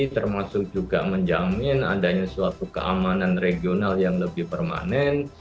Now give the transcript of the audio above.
termasuk juga menjamin adanya suatu keamanan regional yang lebih permanen